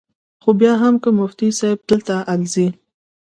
خو بیا هم کۀ مفتي صېب دلته ازلي ،